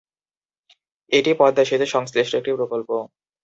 এটি পদ্মা সেতু সংশ্লিষ্ট একটি প্রকল্প।